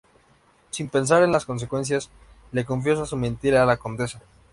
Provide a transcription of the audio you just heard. Sin pensar en las consecuencias, le confiesa su mentira a la condesa.